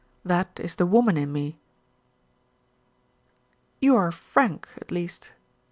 "That is the woman in me." "You are frank, at least."